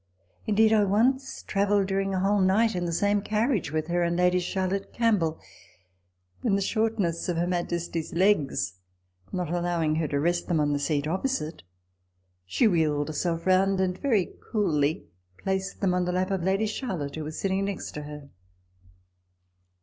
Indeed, I once travelled during a whole night in the same carriage with her and Lady Charlotte Campbell ; when the shortness of her majesty's legs not allowing her to rest them on the seat opposite, she wheeled herself round, and very coolly placed them on the lap of Lady Charlotte, who was sitting next to her.